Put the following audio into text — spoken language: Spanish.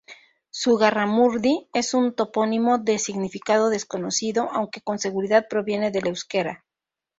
Zugarramurdi es un topónimo de significado desconocido, aunque con seguridad proviene del euskera.